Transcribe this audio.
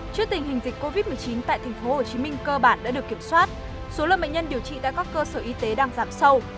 trước tình hình dịch covid một mươi chín tại tp hcm cơ bản đã được kiểm soát số lượng bệnh nhân điều trị tại các cơ sở y tế đang giảm sâu